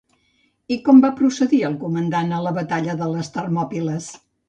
I com va procedir el comandant a la batalla de les Termòpiles?